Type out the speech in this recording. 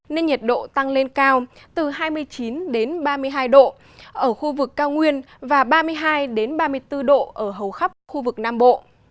nên nhiệt độ tăng lên cao từ hai mươi chín ba mươi hai độ ở khu vực cao nguyên và ba mươi hai ba mươi bốn độ ở hầu khắp khu vực nam bộ